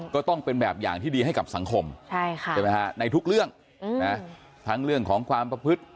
ก็ต้องเป็นแบบอย่างที่ดีให้กับสังคมในทุกเรื่องทั้งเรื่องของความประพฤติ